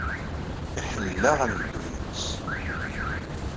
Iḥellel-aɣ ad neddu yid-s.